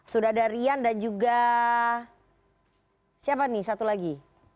sudah ada rian dan juga siapa nih satu lagi